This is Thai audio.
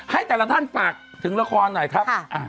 ให้แต่ละท่านฝากถึงละครหน่อยครับ